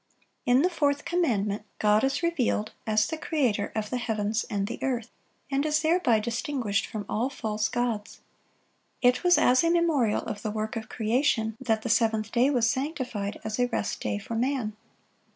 In the fourth commandment, God is revealed as the Creator of the heavens and the earth, and is thereby distinguished from all false gods. It was as a memorial of the work of creation that the seventh day was sanctified as a rest day for man.